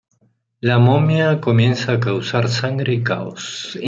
La momia comienza a causar sangre y caos.